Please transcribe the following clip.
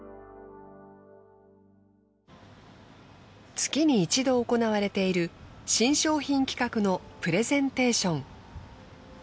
月に一度行われている新商品企画のプレゼンテーション。